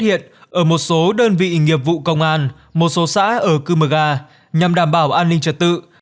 hiện ở một số đơn vị nghiệp vụ công an một số xã ở cư mờ ga nhằm đảm bảo an ninh trật tự